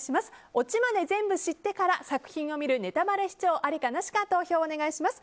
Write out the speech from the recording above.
オチまで全部知ってから作品を見るネタバレ視聴ありかなしか投票をお願いします。